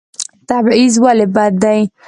تبعیض ولې بد دی؟